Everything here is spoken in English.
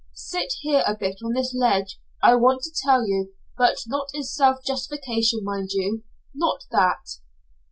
Sit here a bit on this ledge, I want to tell you, but not in self justification, mind you, not that.